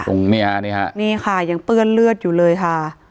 ตรงนี้ฮะนี่ฮะนี่ค่ะยังเปื้อนเลือดอยู่เลยค่ะ